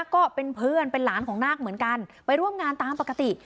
ก็เป็นเพื่อนเป็นหลานของนาคเหมือนกันไปร่วมงานตามปกติ